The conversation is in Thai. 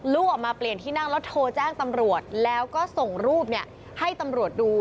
ลูกออกมาเปลี่ยนที่นั่งแล้วโทรแจ้งตำรวจแล้วก็ส่งรูปให้ตำรวจดู